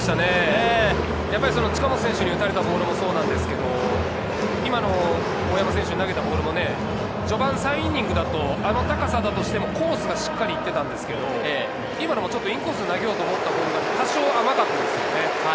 やっぱり近本選手に打たれたボールもそうなんですけれど、今の大山選手に投げたボールも序盤３イニングだと、あの高さだとしてもコースにしっかり行ってたんですけど、今のもちょっとインコース投げたところ、多少甘かったですよね。